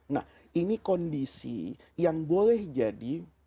nah ini kondisi yang boleh jadi